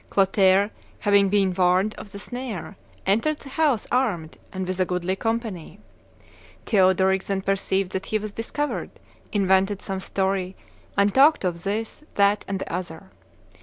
Clotaire, having been warned of the snare, entered the house armed and with a goodly company. Theodoric then perceived that he was discovered, invented some story, and talked of this, that, and the other.